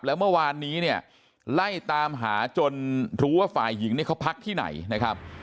แล้วเมื่อวานนี้เนี่ยไล่ตามหาจนรู้ว่าฝ่ายหญิงเนี่ยเขาพักที่ไหนนะครับ